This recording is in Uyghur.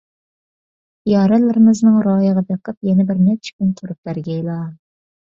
يارەنلىرىمىزنىڭ رايىغا بېقىپ، يەنە بىرنەچچە كۈن تۇرۇپ بەرگەيلا.